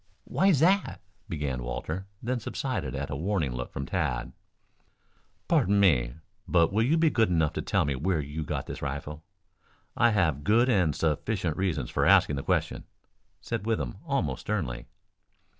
"Why that's " began Walter, then subsided at a warning look from Tad. "Pardon me, but will you be good enough to tell me where you got this rifle? I have good and sufficient reasons for asking the question," said Withem almost sternly.